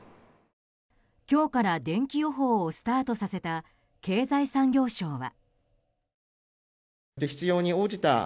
今日から、でんき予報をスタートさせた経済産業省は。